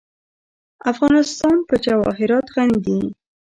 افغانستان په جواهرات غني دی.